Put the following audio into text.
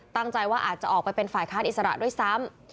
ตั้งใจว่าอาจจะออกไปเป็นฝ่ายค้านอิสระด้วยซ้ำ